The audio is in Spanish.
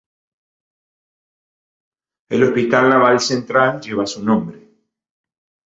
El Hospital Naval Central lleva su nombre.